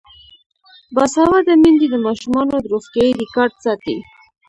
باسواده میندې د ماشومانو روغتیايي ریکارډ ساتي.